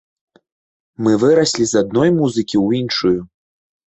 Мы выраслі з адной музыкі ў іншую.